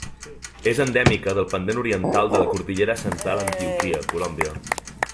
És endèmica del pendent oriental de la Cordillera Central a Antioquia, Colòmbia.